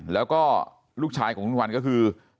แล้วก็ลูกชายของคุณวันก็คือ